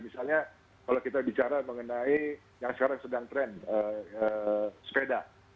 misalnya kalau kita bicara mengenai yang sekarang sedang tren sepeda